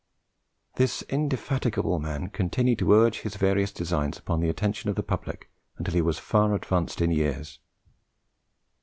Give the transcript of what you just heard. This indefatigable man continued to urge his various designs upon the attention of the public until he was far advanced in years.